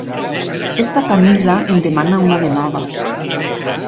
Aquesta camisa en demana una de nova.